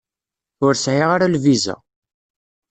Ur sɛiɣ ara lviza.